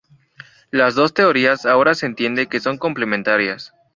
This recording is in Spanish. Las dos teorías ahora se entiende que son complementarias.